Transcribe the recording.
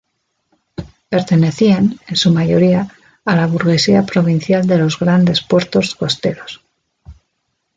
Pertenecían, en su mayoría, a la burguesía provincial de los grandes puertos costeros.